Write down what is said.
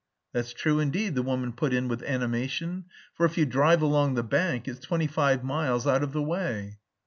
"That's true indeed," the woman put in with animation, "for if you drive along the bank it's twenty five miles out of the way."